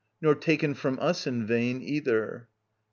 Nor taken from us in vain, either.